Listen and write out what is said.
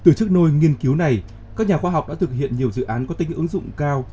từ chức nôi nghiên cứu này các nhà khoa học đã thực hiện nhiều dự án có tính ứng dụng cao